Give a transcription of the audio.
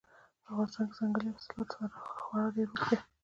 په افغانستان کې د ځنګلي حاصلاتو تاریخ خورا ډېر اوږد دی.